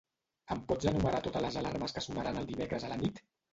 Em pots enumerar totes les alarmes que sonaran el dimecres a la nit?